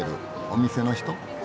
お店の人？